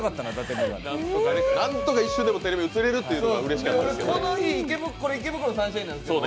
何とか一瞬でテレビに映れるというのがうれしかったんですよね。